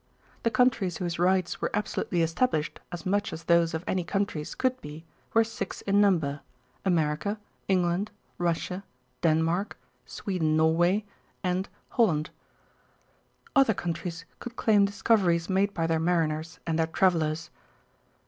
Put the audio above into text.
The countries whose rights were absolutely established as much as those of any countries could be were six in number America, England, Russia, Denmark, Sweden Norway and Holland. Other countries could claim discoveries made by their mariners and their travellers.